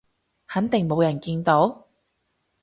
肯定冇人見到？